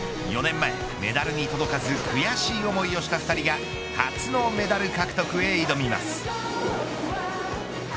４年前、メダルに届かず悔しい思いをした２人が初のメダル獲得へ挑みます。